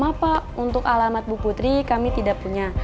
maaf pak untuk alamat bu putri kami tidak punya